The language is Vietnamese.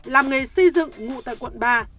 làm nghề xây dựng ngụ tại quận ba